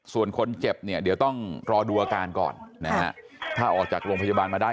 ส่วนคนเจ็บเนี่ยเดี๋ยวต้องรอดูอาการก่อนนะฮะถ้าออกจากโรงพยาบาลมาได้